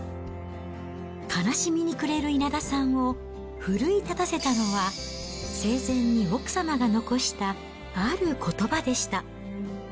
悲しみに暮れる稲田さんを奮い立たせたのは、生前に奥様が残したあることばでした。